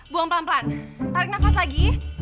buang pelan pelan tarik nafas lagi